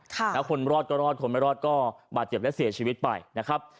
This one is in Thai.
แล้วคนรอดก็รอดคนไม่รอดก็บาดเจ็บและเสียชีวิตไปนะครับ